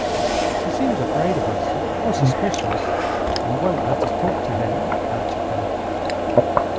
"He seems afraid of us, or suspicious, and won't let us talk to him," answered Beth.